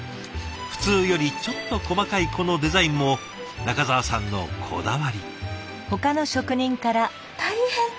普通よりちょっと細かいこのデザインも仲澤さんのこだわり。